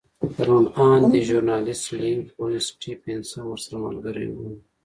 روڼ اندی ژورنالېست لینک ولن سټېفنس هم ورسره ملګری و.